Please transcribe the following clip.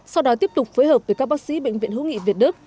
sau đó tiếp tục phối hợp với các bác sĩ bệnh viện hữu nghị việt đức